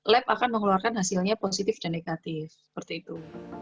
lab akan mengeluarkan hasilnya positif dan negatif seperti itu